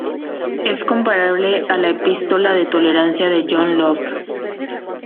Es comparable a la Epístola de Tolerancia de John Locke.